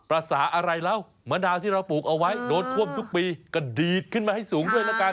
ภาษาอะไรแล้วมะนาวที่เราปลูกเอาไว้โดนท่วมทุกปีก็ดีดขึ้นมาให้สูงด้วยละกัน